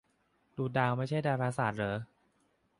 ดูดาวไม่ใช่ดาราศาสตร์เหรอ